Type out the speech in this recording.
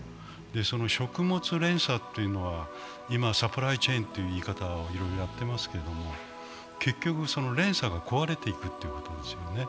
その食物連鎖というのは、今、サプライチェーンといういい方をいろいろやってますけど、結局連鎖が壊れていくってことなんですよね。